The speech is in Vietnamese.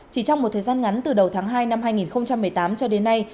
chỉ trong một thời gian ngắn từ đầu tháng hai năm hai nghìn một mươi tám cho đến nay